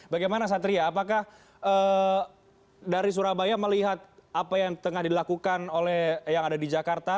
bagaimana satria apakah dari surabaya melihat apa yang tengah dilakukan oleh yang ada di jakarta